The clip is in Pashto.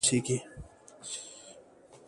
کله چې د تودوخې درجه ټاکلي حد ته ورسیږي.